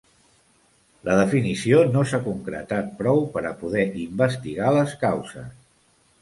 La definició no s'ha concretat prou per a poder investigar les causes.